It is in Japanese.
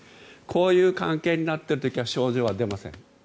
こういう関係になっている時には症状は出ません。